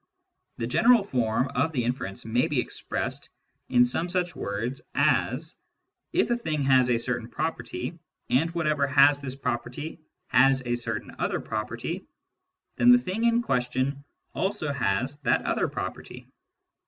The general form of the inference may be expressed in some such words as, " If a thing has a certain property, and whatever has this property has a certain other property, then the thing in question also has that other property."